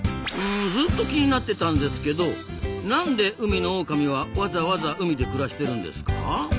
うんずっと気になってたんですけどなんで海のオオカミはわざわざ海で暮らしてるんですか？